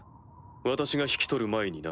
私が引き取る前にな。